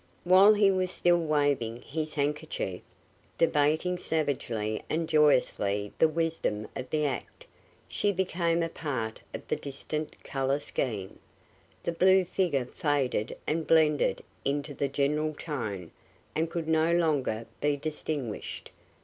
While he was still waving his handkerchief, debating savagely and joyously the wisdom of the act, she became a part of the distant color scheme; the blue figure faded and blended into the general tone and could no longer be distinguished.